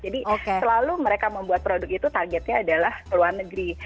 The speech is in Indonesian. jadi selalu mereka membuat produk itu targetnya adalah ke luar negeri